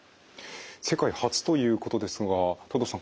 世界初ということですが藤堂さん